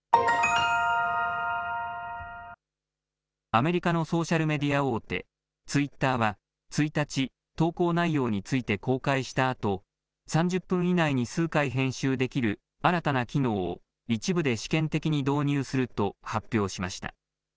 アメリカのソーシャルメディア大手、ツイッターは、１日、投稿内容について公開したあと、３０分以内に数回編集できる新たな機能を一部で試験的に導入すると発表しました。